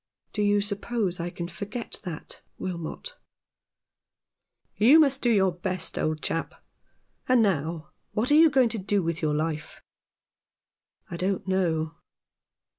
Do you suppose that I can forget that, Wilmot ?" "You must do your best, old chap. And now, what are you going to do with your life ?"" I don't know."